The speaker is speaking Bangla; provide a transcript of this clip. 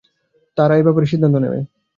তারা এ ব্যাপারে সিদ্ধান্ত নেবে।